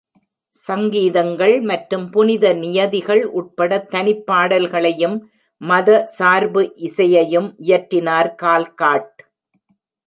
சங்கீதங்கள் மற்றும் புனித நியதிகள் உட்பட தனிப் பாடல்களையும் மதசார்பு இசையையும் இயற்றினார் கால்காட்.